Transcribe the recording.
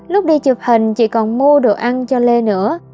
lúc đi chụp hình chị còn mua đồ ăn cho lê nữa